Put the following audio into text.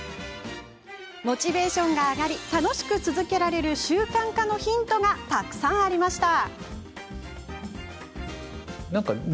モチベーションが上がり楽しく続けられる習慣化のヒントがたくさんありました。